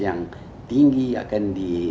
yang tinggi akan